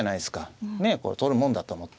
ねえこう取るもんだと思って。